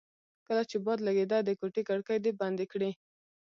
کله چې باد لګېده د کوټې کړکۍ دې بندې کړې.